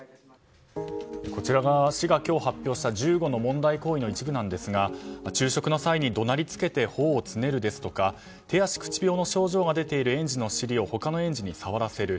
こちらが市が発表した１５の問題行為の一部なんですが昼食の際に怒鳴りつけて頬をつねるですとか手足口病の症状が出ている園児の尻を他の園児に触らせる。